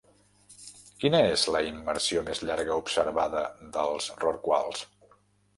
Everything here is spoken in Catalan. Quina és la immersió més llarga observada dels rorquals?